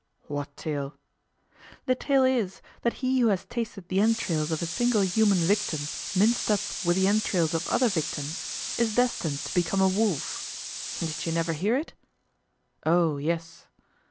What tale? The tale is that he who has tasted the entrails of a single human victim minced up with the entrails of other victims is destined to become a wolf. Did you never hear it? Oh, yes.